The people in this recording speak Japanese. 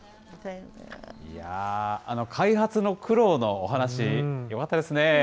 いやぁ、開発の苦労のお話、よかったですね。